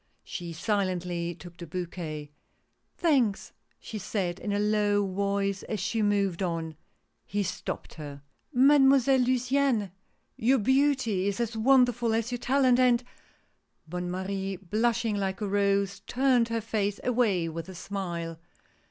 She silently took the bouquet. " Thanks," she said in a low voice, as she moved on. He stopped her. THE PAINTER. 121 " Mademoiselle Luciane, your beauty is as wonderful as your talent, and " Bonne Marie, blushing like a rose, turned her face away with a smile.